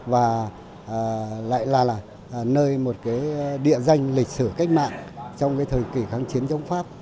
và lại là nơi một địa danh lịch sử cách mạng trong thời kỳ kháng chiến chống pháp